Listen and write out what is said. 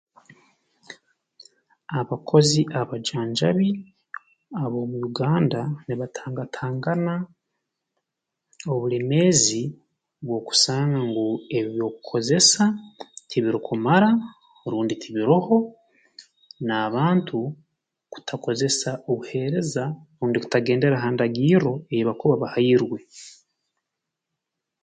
Abakozi abajanjabi ob'omu Uganda nibatangatangana obulemeezi bw'okusanga ngu ebyokukozesa tibirukumara rundi tibiroho n'abantu kutakozesa obuheereza rundi kutagendera ha ndagirro ei bakuba bahairwe